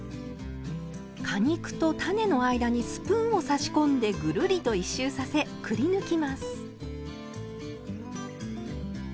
果肉と種の間にスプーンを差し込んでぐるりと１周させくりぬきます。